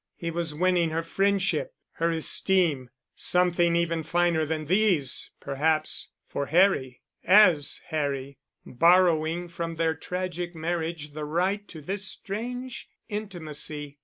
He was winning her friendship, her esteem, something even finer than these, perhaps—for Harry—as Harry, borrowing from their tragic marriage the right to this strange intimacy.